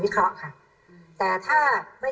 เดี๋ยวลองฟังดูนะครับ